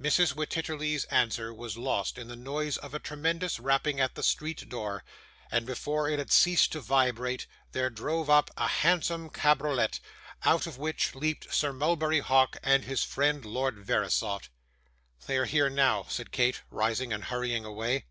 Mrs. Wititterly's answer was lost in the noise of a tremendous rapping at the street door, and before it had ceased to vibrate, there drove up a handsome cabriolet, out of which leaped Sir Mulberry Hawk and his friend Lord Verisopht. 'They are here now,' said Kate, rising and hurrying away.